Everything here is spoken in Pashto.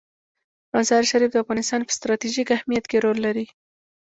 مزارشریف د افغانستان په ستراتیژیک اهمیت کې رول لري.